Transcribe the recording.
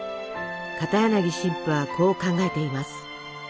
片柳神父はこう考えています。